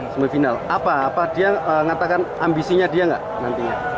semifinal apa apa dia ngatakan ambisinya dia nggak nantinya